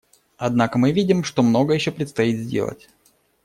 Однако мы видим, что многое еще предстоит сделать.